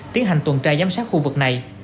tiến hành tuần tra giám sát khu vực này